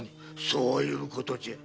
そういうことじゃ。